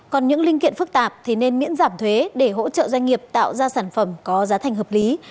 còn những linh kiện phức tạp thì nên miễn giảm thuế để hỗ trợ doanh nghiệp tạo ra sản phẩm có giá thành hợp lý